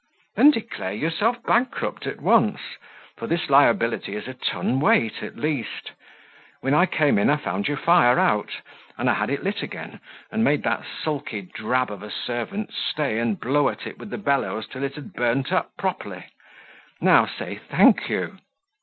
"Then declare yourself bankrupt at once, for this liability is a ton weight at least. When I came in I found your fire out, and I had it lit again, and made that sulky drab of a servant stay and blow at it with the bellows till it had burnt up properly; now, say 'Thank you!